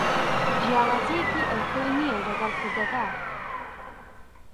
جیاوازیەکی ئەتۆی نییە لەگەل کودەتا.